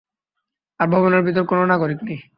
আর ভবনের ভেতরে কোন নাগরিক নেই।